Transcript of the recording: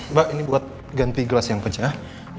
mbak ini buat ganti gelas yang pecah